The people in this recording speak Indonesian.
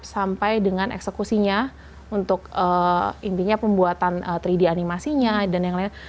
sampai dengan eksekusinya untuk intinya pembuatan tiga d animasinya dan yang lain